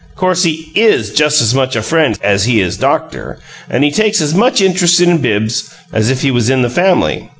'Course he IS just as much a friend as he is doctor and he takes as much interest in Bibbs as if he was in the family.